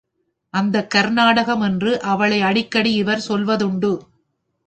அந்தக் கர்நாடகம் என்று அவளை அடிக்கடி இவர் சொல்வது உண்டு.